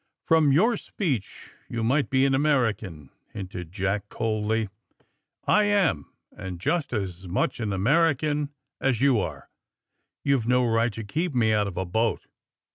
^^From your speech you might be an Ameri can 1" hinted Jack coldly. I am, and just as much of an American as you are! YouVe no right to keep me out of a boat!''